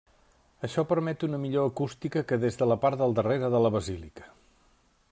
Això permet una millor acústica que des de la part del darrere de la basílica.